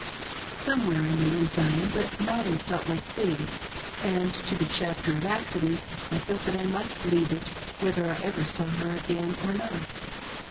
• Some where, I knew, in Zion, but not in Salt Lake City ; and to the chapter of accidents, I felt that I must leave it, whether I ever saw her again or not.